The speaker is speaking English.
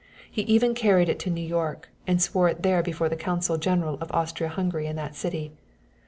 He even carried it to New York and swore to it there before the consul general of Austria Hungary in that city.